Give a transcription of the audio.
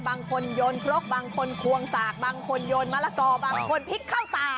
บางคนโยนครกบางคนควงสากบางคนโยนมะละกอบางคนพลิกเข้าตา